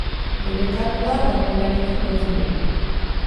Debekatua dagoenarekin lotzen dugu.